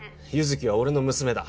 月は俺の娘だ